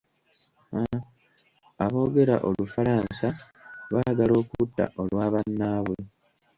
Aboogera Olufalansa baagala okutta olwa bannaabwe.